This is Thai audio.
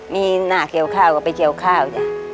มีหน้าเกี่ยวข้าวก็ไปเกี่ยวข้าวจ้ะ